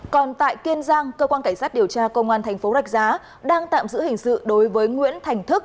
còn tại kiên giang cơ quan cảnh sát điều tra công an thành phố rạch giá đang tạm giữ hình sự đối với nguyễn thành thức